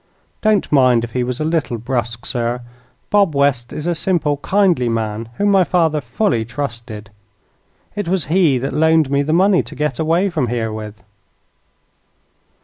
Don't mind if he was a little brusque, sir. Bob West is a simple, kindly man, whom my father fully trusted. It was he that loaned me the money to get away from here with."